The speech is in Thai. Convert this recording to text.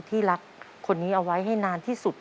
ที่รักคนนี้เอาไว้ให้นานที่สุด